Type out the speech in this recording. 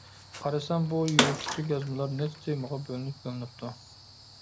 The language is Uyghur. قارىسام بۇ «يۈرۈشلۈك يازمىلار» نەچچە تېمىغا بۆلۈنۈپ يوللىنىپتۇ.